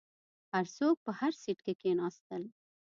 هر څوک په هر سیټ کې کیناستل.